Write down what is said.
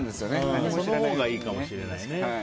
そのほうがいいかもしれないですね。